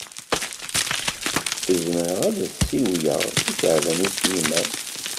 Zemreɣ ad as-siwleɣ i Caɛban U Sliman.